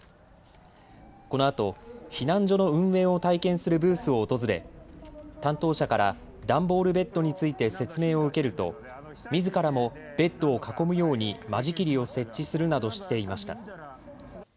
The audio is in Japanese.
このあと避難所の運営を体験するブースを訪れ、担当者から段ボールベッドについて説明を受けるとみずからもベッドを囲むように間仕切りを設置するなどしていました。